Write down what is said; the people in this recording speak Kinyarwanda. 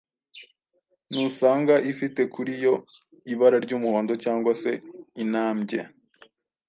Nusanga ifite kuri yo ibara ry’umuhondo cg se inambye,